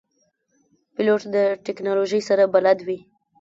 پیلوټ د تکنالوژۍ سره بلد وي.